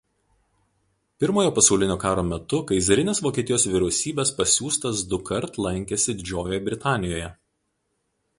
Pirmojo pasaulinio karo metu kaizerinės Vokietijos vyriausybės pasiųstas dukart lankėsi Didžiojoje Britanijoje.